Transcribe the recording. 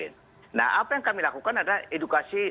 nah apa yang kami lakukan adalah edukasi